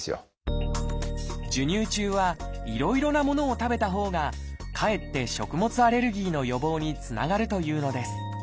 授乳中はいろいろなものを食べたほうがかえって食物アレルギーの予防につながるというのです。